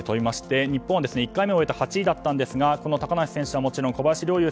日本は１回目を終えて８位だったんですがこの高梨選手はもちろん小林陵